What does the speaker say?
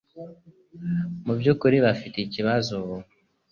Mubyukuri bafite ikibazo ubu.